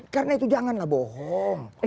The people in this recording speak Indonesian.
karena itu janganlah bohong